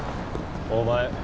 お前